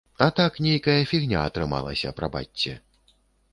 А так нейкая фігня атрымалася, прабачце.